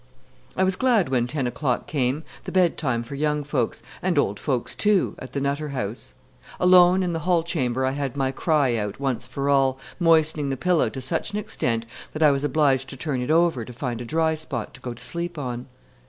I was glad when ten o'clock came, the bedtime for young folks, and old folks too, at the Nutter House. Alone in the hallchamber I had my cry out, once for all, moistening the pillow to such an extent that I was obliged to turn it over to find a dry spot to go to sleep on.